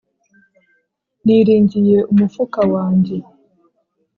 Niringiye umufuka wanjye